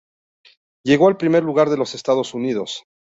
Llegó al primer lugar en los Estados Unidos.